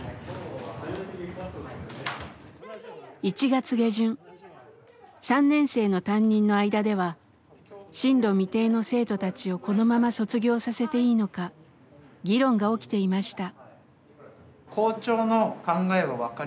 １月下旬３年生の担任の間では進路未定の生徒たちをこのまま卒業させていいのか議論が起きていました。